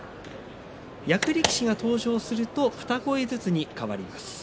役力士が登場すると二声ずつに変わります。